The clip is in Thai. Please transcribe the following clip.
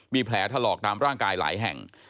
มีแผลถลอกตามร่างกายหลายแห่ง